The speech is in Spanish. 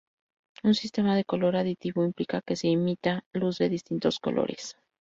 Un sistema de color aditivo implica que se emita luz de distintos colores.